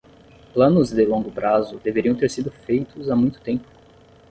Planos de longo prazo deveriam ter sido feitos há muito tempo